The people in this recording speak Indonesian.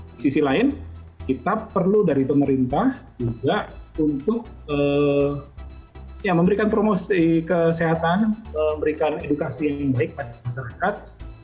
di sisi lain kita perlu dari pemerintah juga untuk memberikan promosi kesehatan memberikan edukasi yang baik pada masyarakat